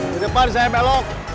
di depan saya belok